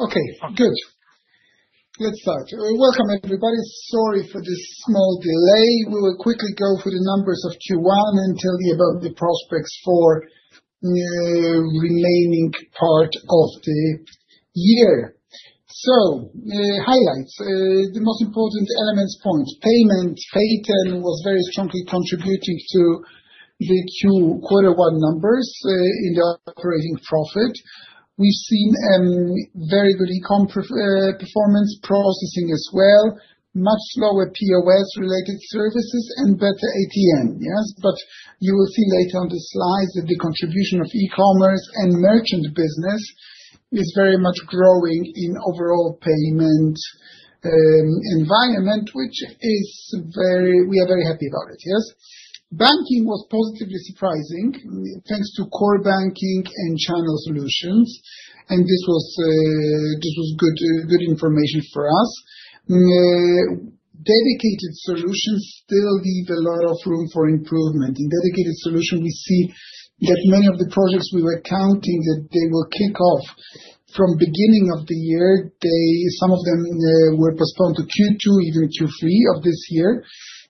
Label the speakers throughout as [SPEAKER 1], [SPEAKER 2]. [SPEAKER 1] Okay, good. Let's start. Welcome, everybody. Sorry for this small delay. We will quickly go through the numbers of Q1 and tell you about the prospects for the remaining part of the year. Highlights: the most important elements, points. Payment, Payten, was very strongly contributing to the Q1 numbers in the operating profit. We've seen very good e-com performance, processing as well, much lower POS-related services, and better ATM. Yes, but you will see later on the slides that the contribution of e-commerce and merchant business is very much growing in the overall payment environment, which is very—we are very happy about it. Yes, banking was positively surprising thanks to core banking and channel solutions, and this was good information for us. Dedicated solutions still leave a lot of room for improvement. In dedicated solutions, we see that many of the projects we were counting that they will kick off from the beginning of the year. Some of them were postponed to Q2, even Q3 of this year.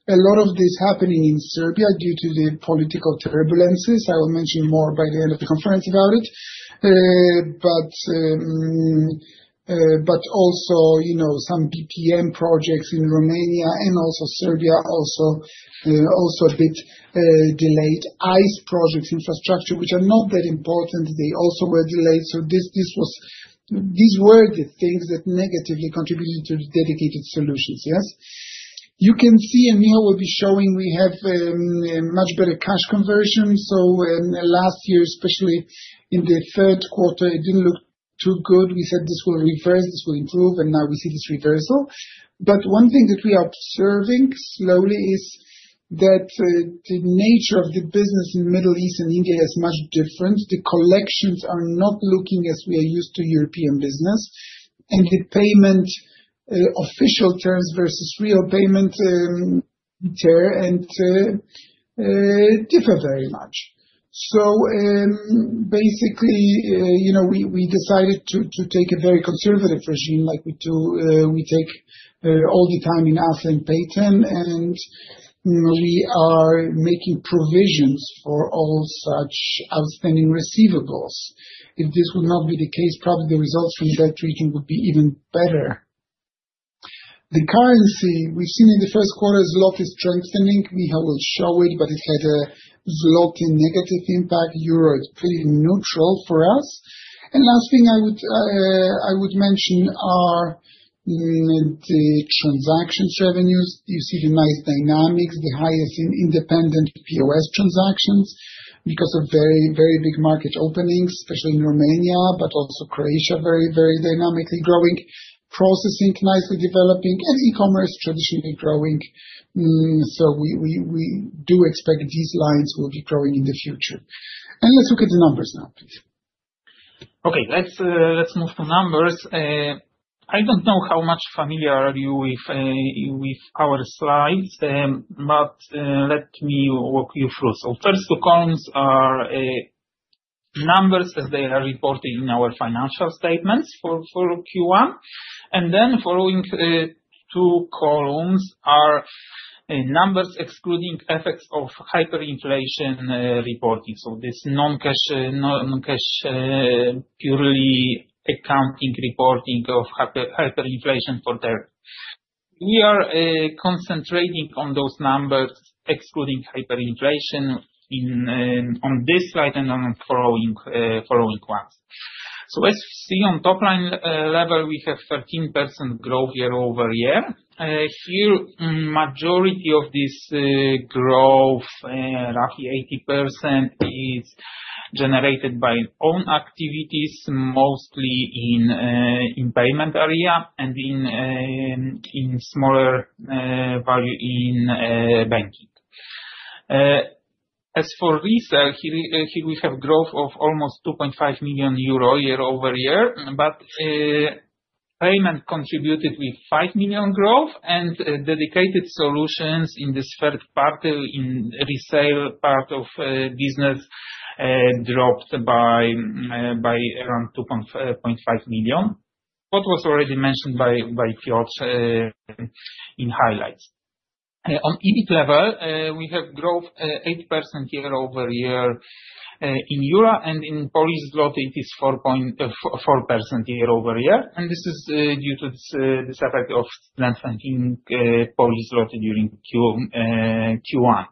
[SPEAKER 1] A lot of this is happening in Serbia due to the political turbulences. I will mention more by the end of the conference about it. Also, some BPM projects in Romania and also Serbia also a bit delayed. ITS projects, infrastructure, which are not that important, they also were delayed. These were the things that negatively contributed to the dedicated solutions. Yes, you can see, and Michał will be showing, we have much better cash conversion. Last year, especially in the third quarter, it did not look too good. We said, "This will reverse, this will improve," and now we see this reversal. One thing that we are observing slowly is that the nature of the business in the Middle East and India is much different. The collections are not looking as we are used to European business, and the payment official terms versus real payment there differ very much. Basically, we decided to take a very conservative regime like we do. We take all the time in Asseco South Eastern Europe, Payten, and we are making provisions for all such outstanding receivables. If this would not be the case, probably the results from that region would be even better. The currency we've seen in the first quarter is a lot strengthening. Michał will show it, but it had a lot of negative impact. Euro is pretty neutral for us. The last thing I would mention are the transactions revenues. You see the nice dynamics, the highest in independent POS transactions because of very, very big market openings, especially in Romania, but also Croatia, very, very dynamically growing, processing nicely developing, and e-commerce traditionally growing. We do expect these lines will be growing in the future. Let's look at the numbers now, please.
[SPEAKER 2] Okay, let's move to numbers. I don't know how much familiar you are with our slides, but let me walk you through. First, two columns are numbers as they are reported in our financial statements for Q1. The following two columns are numbers excluding effects of hyperinflation reporting. This is non-cash, purely accounting reporting of hyperinflation for there. We are concentrating on those numbers excluding hyperinflation on this slide and on the following ones. As you see on top line level, we have 13% growth year over year. Here, the majority of this growth, roughly 80%, is generated by own activities, mostly in the payment area and in smaller value in banking. As for resale, here we have growth of almost 2.5 million euro year over year, but payment contributed with 5 million growth, and dedicated solutions in this third part in resale part of business dropped by around 2.5 million, what was already mentioned by Piotr in highlights. On EBIT level, we have growth 8% year over year in euro, and in Polish Zloty, it is 4% year over year. This is due to the effect of strengthening Polish Zloty during Q1.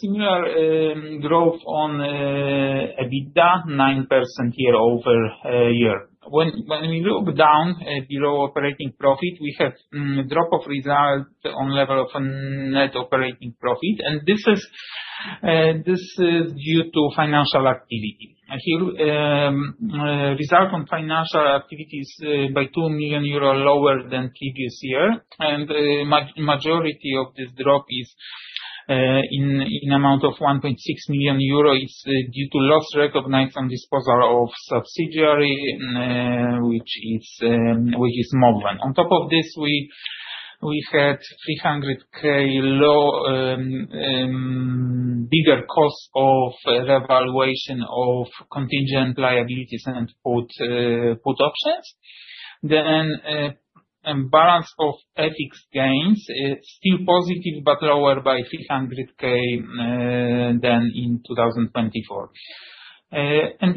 [SPEAKER 2] Similar growth on EBITDA, 9% year over year. When we look down below operating profit, we have a drop of result on level of net operating profit, and this is due to financial activity. Here, result on financial activity is by 2 million euro lower than previous year, and the majority of this drop is in the amount of 1.6 million euro is due to loss recognized on disposal of subsidiary, which is more than. On top of this, we had 300,000 low bigger cost of revaluation of contingent liabilities and put options. The balance of FX gains is still positive, but lower by 300,000 than in 2024.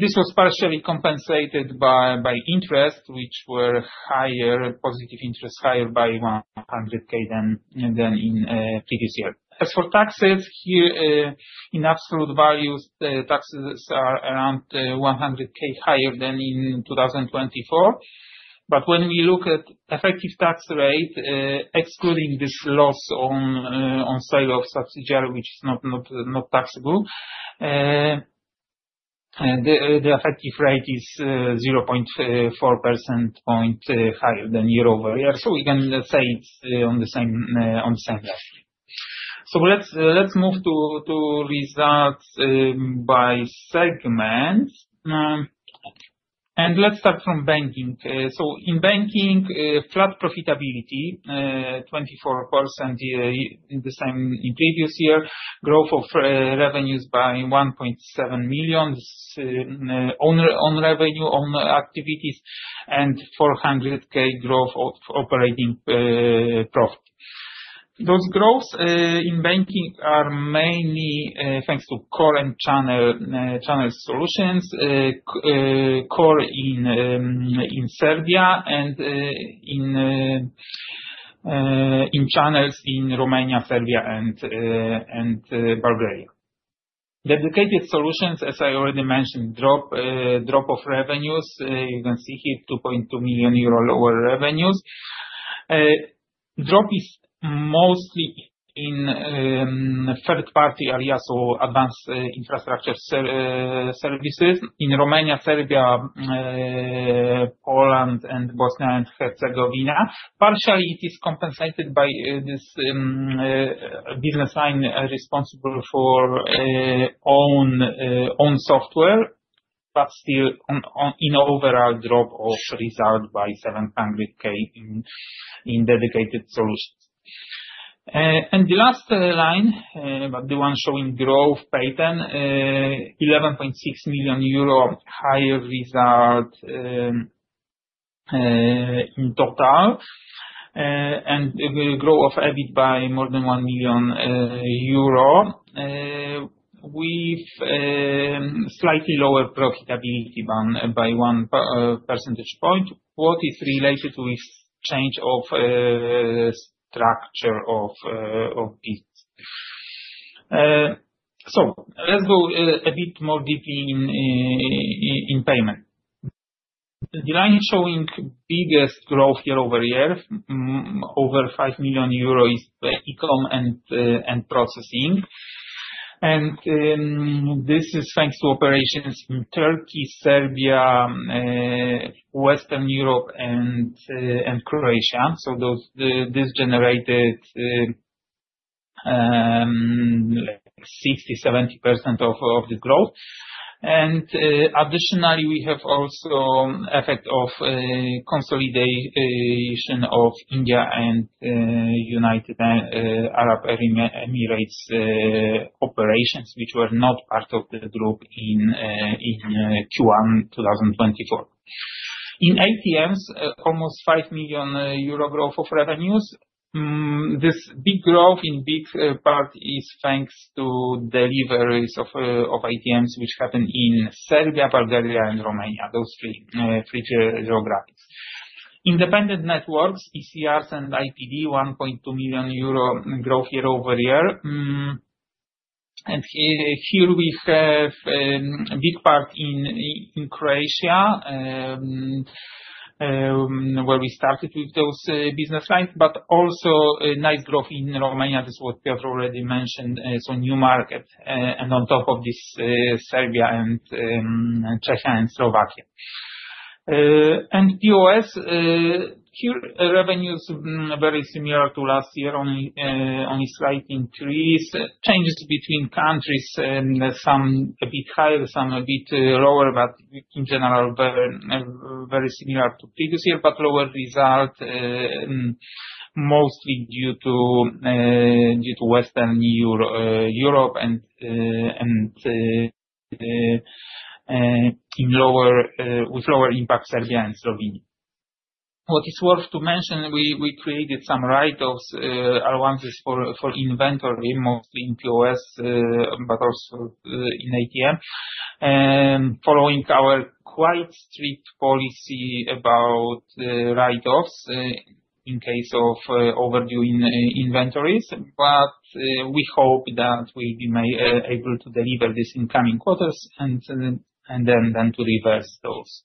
[SPEAKER 2] This was partially compensated by interest, which were higher, positive interest higher by 100,000 than in previous year. As for taxes, here in absolute values, taxes are around 100,000 higher than in 2024. When we look at effective tax rate, excluding this loss on sale of subsidiary, which is not taxable, the effective rate is 0.4% higher than year over year. We can say it's on the same level. Let's move to results by segment, and let's start from banking. In banking, flat profitability, 24% in the same in previous year, growth of revenues by 1.7 million, own revenue, own activities, and 400,000 growth of operating profit. Those growths in banking are mainly thanks to core and channel solutions, core in Serbia and in channels in Romania, Serbia, and Bulgaria. Dedicated solutions, as I already mentioned, drop of revenues. You can see here 2.2 million euro lower revenues. Drop is mostly in third-party areas, so advanced infrastructure services in Romania, Serbia, Poland, and Bosnia and Herzegovina. Partially, it is compensated by this business line responsible for own software, but still in overall drop of result by 700,000 in dedicated solutions. The last line, but the one showing growth, Payten, 11.6 million euro higher result in total and growth of EBIT by more than EUR 1 million. We've slightly lower profitability by one percentage point. What is related with change of structure of EBIT? Let's go a bit more deeply in payment. The line showing biggest growth year over year, over 5 million euro, is e-com and processing. This is thanks to operations in Turkey, Serbia, Western Europe, and Croatia. This generated 60%-70% of the growth. Additionally, we have also effect of consolidation of India and United Arab Emirates operations, which were not part of the group in Q1 2024. In ATMs, almost 5 million euro growth of revenues. This big growth in big part is thanks to deliveries of ATMs, which happen in Serbia, Bulgaria, and Romania, those three geographics. Independent networks, ECRs and IPD, 1.2 million euro growth year over year. Here we have a big part in Croatia, where we started with those business lines, but also nice growth in Romania, this is what Piotr already mentioned, so new market. On top of this, Serbia and Czechia and Slovakia. POS, here revenues very similar to last year, only slight increase. Changes between countries, some a bit higher, some a bit lower, but in general, very similar to previous year, but lower result, mostly due to Western Europe and with lower impact Serbia and Slovenia. What is worth to mention, we created some write-offs, allowances for inventory, mostly in POS, but also in ATM, following our quite strict policy about write-offs in case of overdue inventories. We hope that we'll be able to deliver this in coming quarters and then to reverse those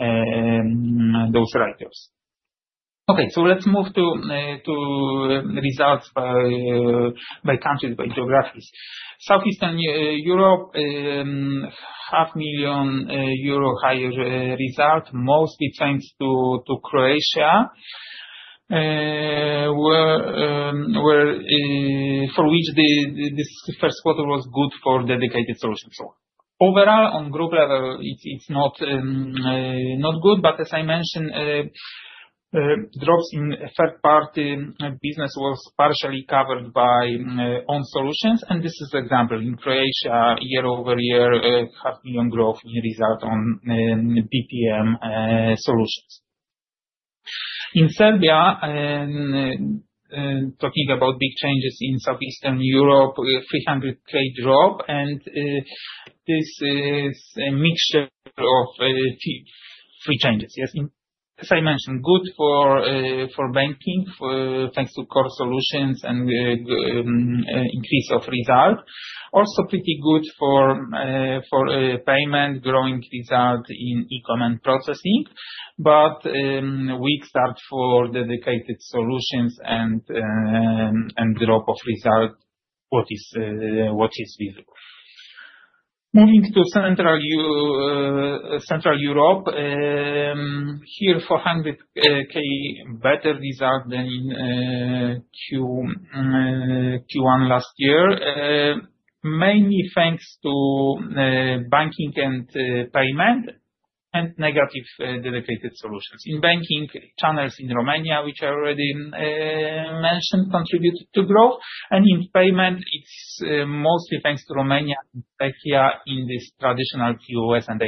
[SPEAKER 2] write-offs. Okay, let's move to results by countries, by geographies. Southeastern Europe, 5 million euro higher result, mostly thanks to Croatia, for which this first quarter was good for dedicated solutions. Overall, on group level, it is not good, but as I mentioned, drops in third-party business were partially covered by own solutions. This is an example in Croatia, year over year, 5 million growth in result on BPM solutions. In Serbia, talking about big changes in Southeastern Europe, 300,000 drop, and this mixture of three changes. As I mentioned, good for banking thanks to core solutions and increase of result. Also pretty good for payment, growing result in e-com and processing. Weak start for dedicated solutions and drop of result, what is visible. Moving to Central Europe, here 400,000 better result than in Q1 last year, mainly thanks to banking and payment and negative dedicated solutions. In banking, channels in Romania, which I already mentioned, contributed to growth. In payment, it's mostly thanks to Romania and Czechia in this traditional POS and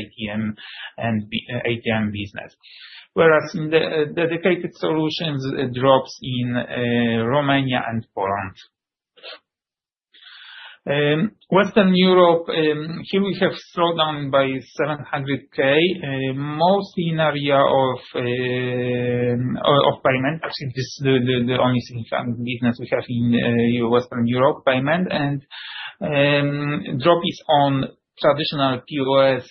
[SPEAKER 2] ATM business, whereas in the dedicated solutions, drops in Romania and Poland. In Western Europe, here we have slowdown by 700,000, mostly in area of payment. Actually, this is the only significant business we have in Western Europe payment. The drop is on traditional POS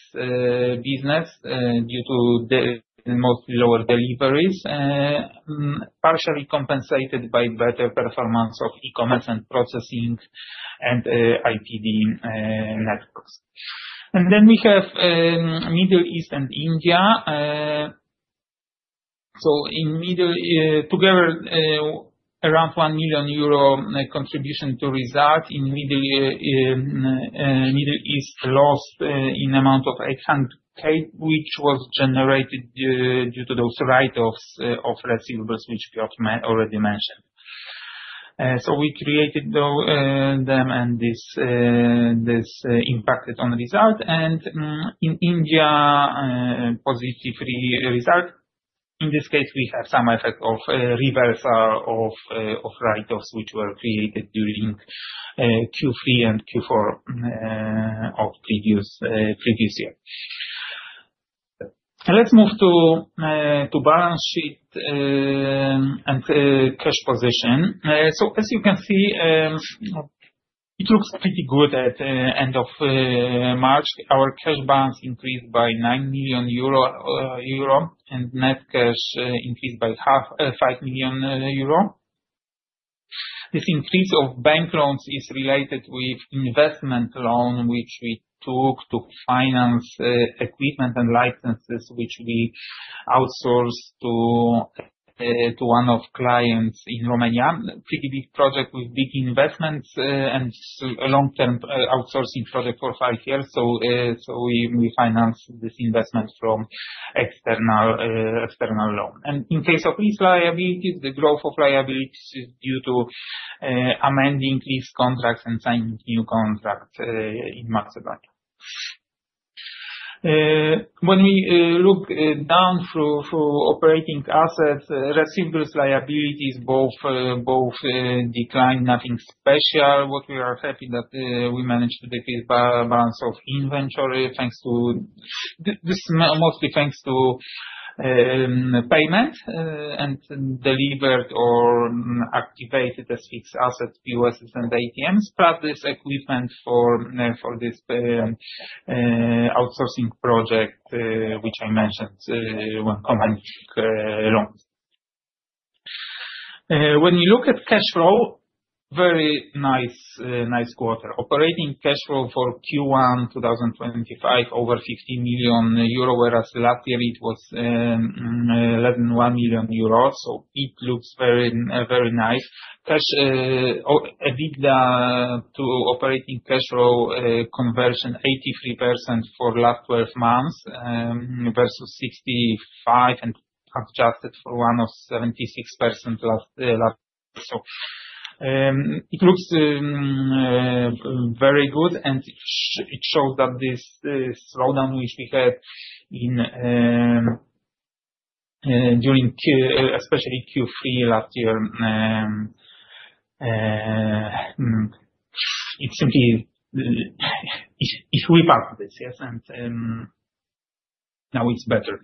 [SPEAKER 2] business due to mostly lower deliveries, partially compensated by better performance of e-commerce and processing and IPD networks. We have Middle East and India. Together, around 1 million euro contribution to result in Middle East lost in amount of 800,000, which was generated due to those write-offs of receivables, which Piotr already mentioned. We created them and this impacted on result. In India, positive result. In this case, we have some effect of reversal of write-offs, which were created during Q3 and Q4 of previous year. Let's move to balance sheet and cash position. As you can see, it looks pretty good at the end of March. Our cash balance increased by 9 million euro and net cash increased by 5 million euro. This increase of bank loans is related with investment loan, which we took to finance equipment and licenses, which we outsourced to one of clients in Romania. Pretty big project with big investments and long-term outsourcing project for five years. We financed this investment from external loan. In case of lease liabilities, the growth of liabilities is due to amending lease contracts and signing new contracts in Macedonia. When we look down through operating assets, receivables liabilities both declined, nothing special. What we are happy that we managed to decrease balance of inventory thanks to this, mostly thanks to payment and delivered or activated as fixed assets, POSs and ATMs, plus this equipment for this outsourcing project, which I mentioned, one company loan. When we look at cash flow, very nice quarter. Operating cash flow for Q1 2025, over 15 million euro, whereas last year it was less than EUR 1 million. It looks very nice. EBITDA to operating cash flow conversion, 83% for last 12 months versus 65% and adjusted for one of 76% last year. It looks very good, and it showed that this slowdown, which we had during especially Q3 last year, it simply it's ripped up this, yes, and now it's better.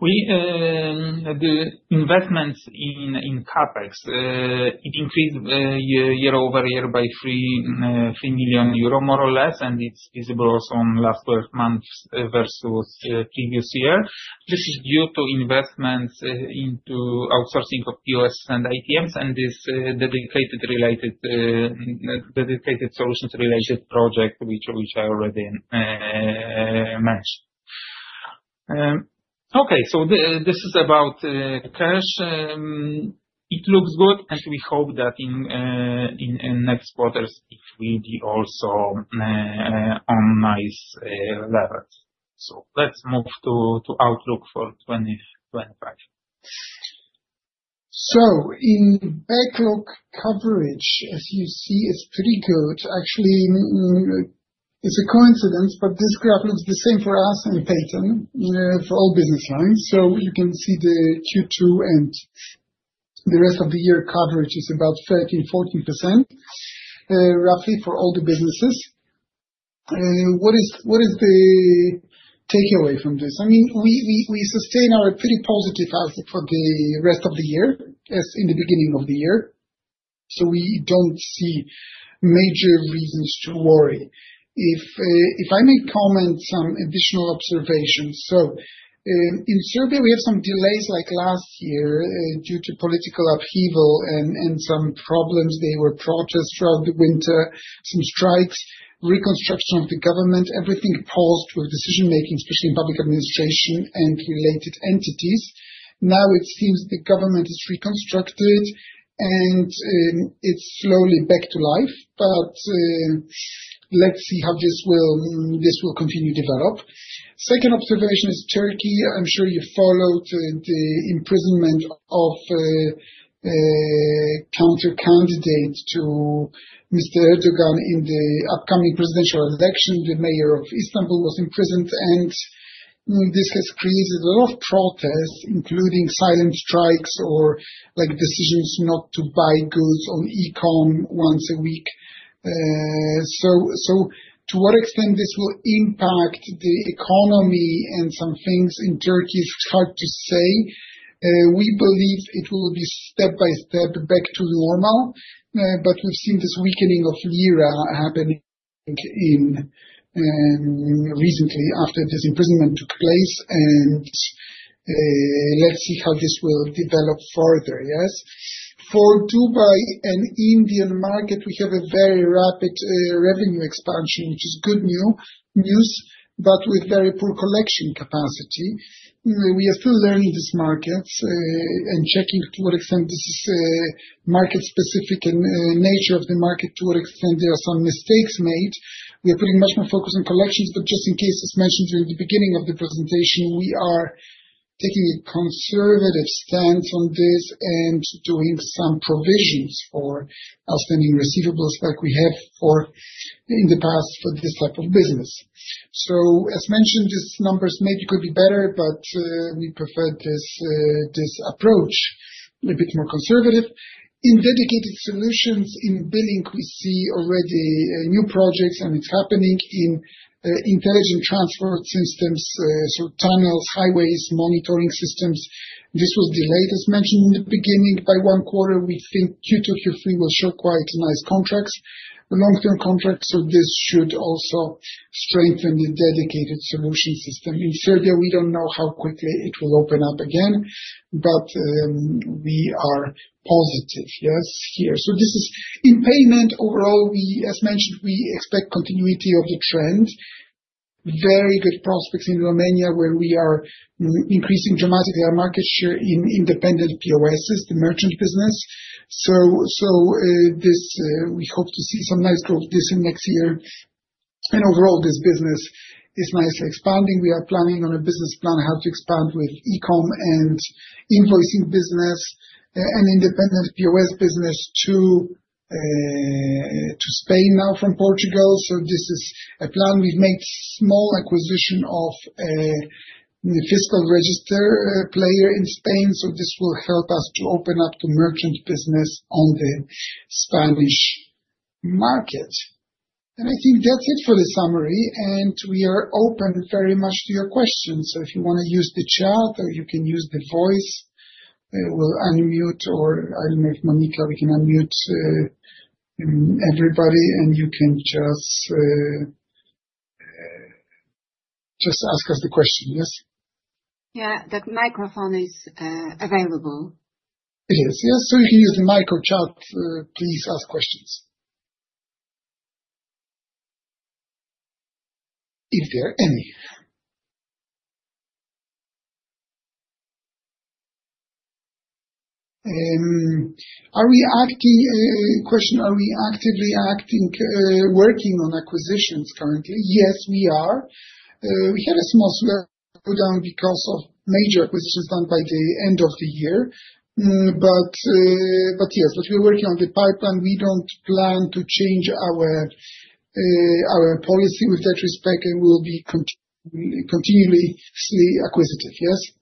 [SPEAKER 2] The investments in Capex, it increased year over year by 3 million euro more or less, and it's visible also on last 12 months versus previous year. This is due to investments into outsourcing of POS and ATMs and this dedicated related solutions related project, which I already mentioned. Okay, this is about cash. It looks good, and we hope that in next quarters, it will be also on nice levels. Let's move to Outlook for 2025.
[SPEAKER 1] In backlog coverage, as you see, it's pretty good. Actually, it's a coincidence, but this graph looks the same for us and Payten for all business lines. You can see the Q2 and the rest of the year coverage is about 13-14% roughly for all the businesses. What is the takeaway from this? I mean, we sustain our pretty positive outlook for the rest of the year as in the beginning of the year. We do not see major reasons to worry. If I may comment some additional observations. In Serbia, we have some delays like last year due to political upheaval and some problems. There were protests throughout the winter, some strikes, reconstruction of the government. Everything paused with decision-making, especially in public administration and related entities. Now it seems the government is reconstructed and it is slowly back to life, but let's see how this will continue to develop. Second observation is Turkey. I am sure you followed the imprisonment of counter-candidate to Mr. Erdoğan in the upcoming presidential election. The mayor of Istanbul was imprisoned, and this has created a lot of protests, including silent strikes or decisions not to buy goods on e-com once a week. To what extent this will impact the economy and some things in Turkey is hard to say. We believe it will be step by step back to normal, but we've seen this weakening of lira happening recently after this imprisonment took place. Let's see how this will develop further, yes. For Dubai and Indian market, we have a very rapid revenue expansion, which is good news, but with very poor collection capacity. We are still learning this market and checking to what extent this is market-specific and nature of the market, to what extent there are some mistakes made. We are putting much more focus on collections, but just in case, as mentioned during the beginning of the presentation, we are taking a conservative stance on this and doing some provisions for outstanding receivables like we have in the past for this type of business. As mentioned, these numbers maybe could be better, but we prefer this approach, a bit more conservative. In dedicated solutions, in billing, we see already new projects, and it's happening in intelligent transport systems, so tunnels, highways, monitoring systems. This was delayed, as mentioned in the beginning, by one quarter. We think Q2, Q3 will show quite nice contracts, long-term contracts, so this should also strengthen the dedicated solution system. In Serbia, we don't know how quickly it will open up again, but we are positive, yes, here. This is in payment overall. As mentioned, we expect continuity of the trend. Very good prospects in Romania, where we are increasing dramatically our market share in independent POS, the merchant business. We hope to see some nice growth this and next year. Overall, this business is nicely expanding. We are planning on a business plan how to expand with e-com and invoicing business and independent POS business to Spain now from Portugal. This is a plan. We've made small acquisition of the fiscal register player in Spain. This will help us to open up to merchant business on the Spanish market. I think that's it for the summary, and we are open very much to your questions. If you want to use the chat or you can use the voice, we'll unmute, or I'll make Monika, we can unmute everybody, and you can just ask us the question, yes?
[SPEAKER 3] Yeah, the microphone is available.
[SPEAKER 1] It is, yes. You can use the micro chat. Please ask questions if there are any. Are we, question, are we actively working on acquisitions currently? Yes, we are. We had a small slowdown because of major acquisitions done by the end of the year. Yes, we're working on the pipeline. We don't plan to change our policy with that respect, and we'll be continuously acquisitive, yes.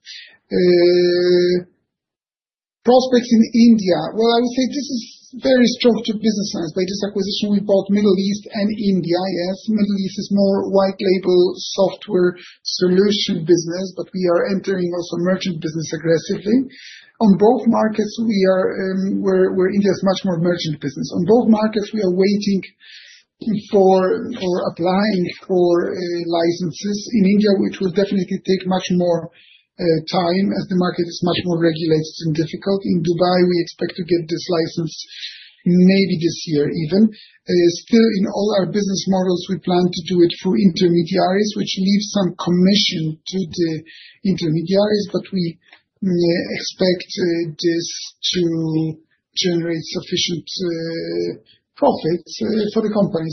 [SPEAKER 1] Prospects in India. I would say this is very strong to business lines. By this acquisition, we bought Middle East and India, yes. Middle East is more white label software solution business, but we are entering also merchant business aggressively. On both markets, we are where India is much more merchant business. On both markets, we are waiting for applying for licenses in India, which will definitely take much more time as the market is much more regulated and difficult. In Dubai, we expect to get this license maybe this year even. Still, in all our business models, we plan to do it through intermediaries, which leaves some commission to the intermediaries, but we expect this to generate sufficient profits for the company.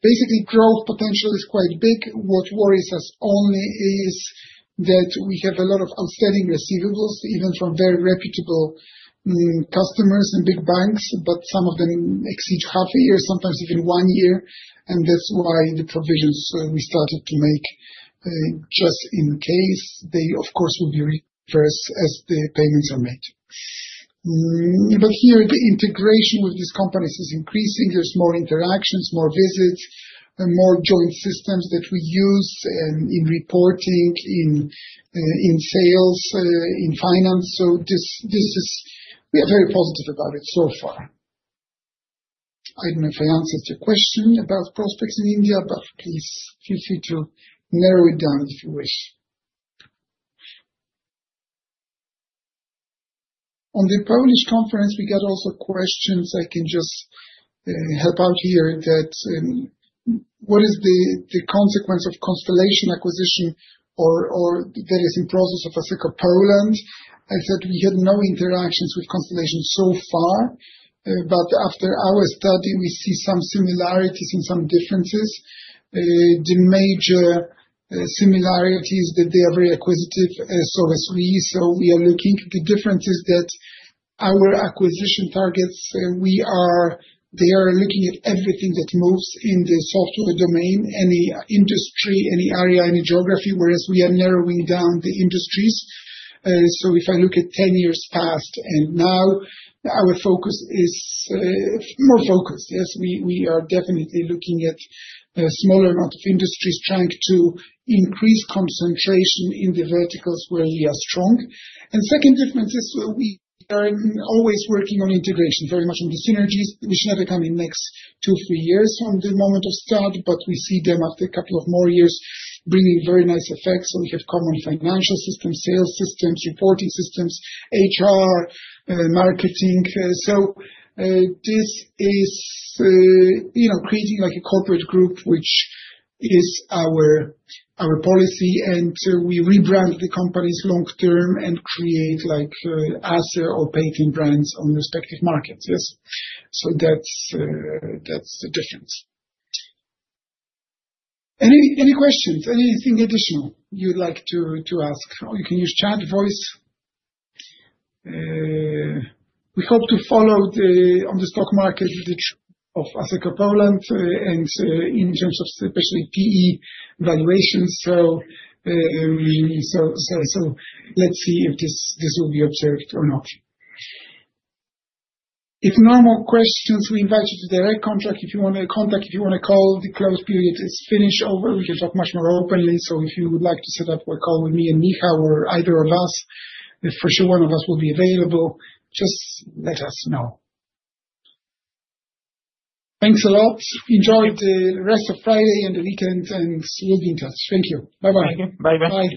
[SPEAKER 1] Basically, growth potential is quite big. What worries us only is that we have a lot of outstanding receivables, even from very reputable customers and big banks, but some of them exceed half a year, sometimes even one year. That is why the provisions we started to make just in case. They, of course, will be reversed as the payments are made. Here, the integration with these companies is increasing. There are more interactions, more visits, and more joint systems that we use in reporting, in sales, in finance. We are very positive about it so far. I don't know if I answered your question about prospects in India, but please feel free to narrow it down if you wish. On the Polish conference, we got also questions. I can just help out here that what is the consequence of Constellation acquisition or the very same process of Asseco Poland? I said we had no interactions with Constellation so far, but after our study, we see some similarities and some differences. The major similarity is that they are very acquisitive, so as we. We are looking. The difference is that our acquisition targets, they are looking at everything that moves in the software domain, any industry, any area, any geography, whereas we are narrowing down the industries. If I look at 10 years past and now, our focus is more focused, yes. We are definitely looking at a smaller amount of industries, trying to increase concentration in the verticals where we are strong. The second difference is we are always working on integration, very much on the synergies. We should have a coming next two to three years from the moment of start, but we see them after a couple of more years bringing very nice effects. We have common financial systems, sales systems, reporting systems, HR, marketing. This is creating a corporate group, which is our policy, and we rebrand the companies long term and create Asseco or Payten brands on respective markets, yes. That is the difference. Any questions? Anything additional you'd like to ask? You can use chat, voice. We hope to follow on the stock market of Asseco Poland and in terms of especially PE valuations. Let's see if this will be observed or not. If no more questions, we invite you to direct contact. If you want to contact, if you want to call, the close period is finished over. We can talk much more openly. If you would like to set up a call with me and Michał or either of us, for sure one of us will be available. Just let us know. Thanks a lot. Enjoy the rest of Friday and the weekend, and we'll be in touch. Thank you. Bye-bye.
[SPEAKER 3] Thank you.
[SPEAKER 2] Bye-bye.